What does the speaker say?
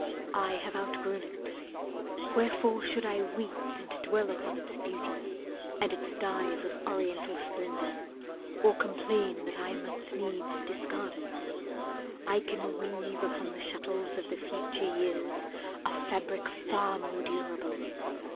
I have outgrown it. Wherefore should I weep And dwell up on its beauty, and its dyes Of Oriental splendour, or complain That I must needs discard it? I can weave Upon the shuttles of the future years A fabric far more durable.